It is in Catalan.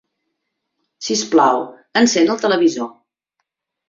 Sisplau, encén el televisor.